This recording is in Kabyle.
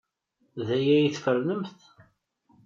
D aya ay tfernemt.